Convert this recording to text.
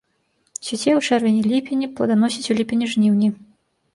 Цвіце ў чэрвені-ліпені, пладаносіць у ліпені-жніўні.